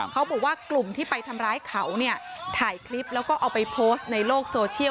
เขาบอกว่ากลุ่มที่ไปทำร้ายเขาเนี่ยถ่ายคลิปแล้วก็เอาไปโพสต์ในโลกโซเชียล